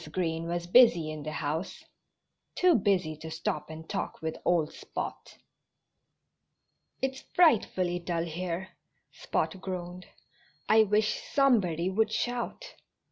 Green was busy in the house too busy to stop and talk with old Spot. "It's frightfully dull here," Spot groaned. "I wish somebody would shout."